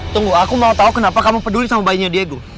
tunggu aku mau tahu kenapa kamu peduli sama bayinya diegu